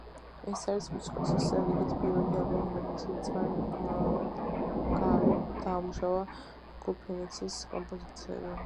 ეს არის მუსიკოსის რიგით პირველი ალბომი, რომელზეც მან გადაამუშავა ჯგუფ ჯენესისის კომპოზიციები.